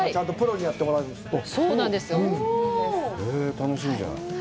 楽しみじゃない。